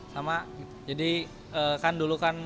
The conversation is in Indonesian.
sama jadi kan dulu kan